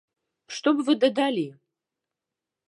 Што б вы дадалі?